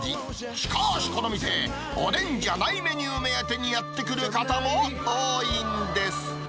しかし、この店、おでんじゃないメニュー目当てにやって来る方も多いんです。